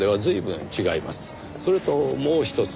それともう一つ。